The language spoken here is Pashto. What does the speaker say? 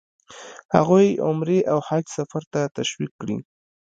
هغوی عمرې او حج سفر ته تشویق کړي.